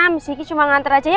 miss gigi cuma ngantar aja ya